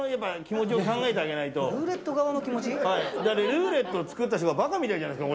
ルーレットを作った人が馬鹿みたいじゃないですか。